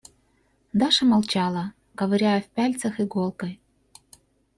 Даша молчала, ковыряя в пяльцах иголкой.